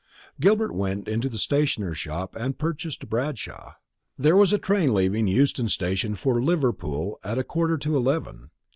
Gilbert went into a stationer's shop and purchased a Bradshaw. There was a train leaving Euston station for Liverpool at a quarter to eleven.